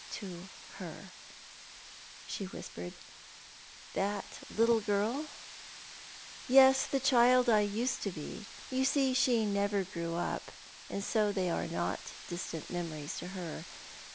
"To her," she whispered. "'That little girl'!" "Yes; the child I used to be. You see, she never grew up, and so they are not distant memories to her.